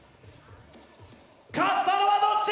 勝ったのはどっち？